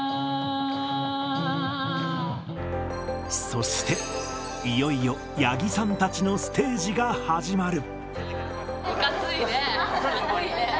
そして、いよいよ八木さんたちのステージが始まる。